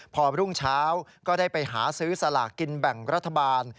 พอรุ่งเช้าก็ได้ไปหาซื้อสลากกินแบ่งรัฐบาล